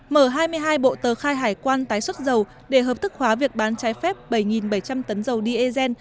mở hai mươi hai bộ tờ khai hải quan tái xuất dầu để hợp thức hóa việc bán trái phép bảy bảy trăm linh tấn dầu diesel